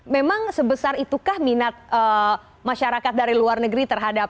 memang sebesar itukah minat masyarakat dari luar negeri terhadap